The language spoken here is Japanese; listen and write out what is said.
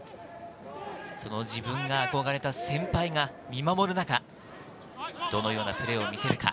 自分があこがれた先輩が見守る中、どのようなプレーを見せるか。